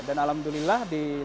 dan alhamdulillah di tahun ini